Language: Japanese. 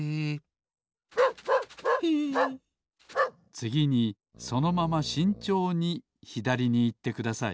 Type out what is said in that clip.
つぎにそのまましんちょうにひだりにいってください